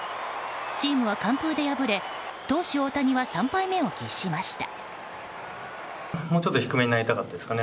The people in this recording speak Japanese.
チームは完封で敗れ投手・大谷は３敗目を喫しました。